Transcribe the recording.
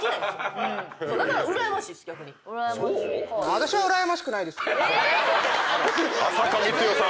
全然うらやましくないです。